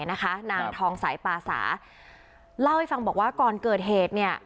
นางทองสายปาสาเล่าให้ฟังบอกว่าก่อนเกิดเหตุเนี่ย